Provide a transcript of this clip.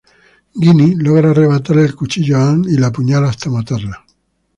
Ginny logra arrebatarle el cuchillo a Ann y la apuñala hasta matarla.